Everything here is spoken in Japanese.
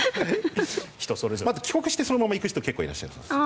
あとは帰国してそのまま行く人が結構いらっしゃいます。